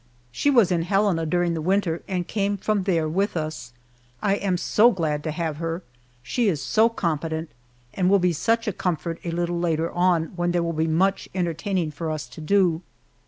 She was in Helena during the winter and came from there with us. I am so glad to have her. She is so competent, and will be such a comfort a little later on, when there will be much entertaining for us to do.